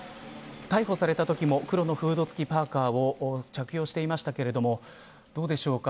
逮捕されたときも黒のフード付きパーカーを着用していましたけれどもどうでしょうか。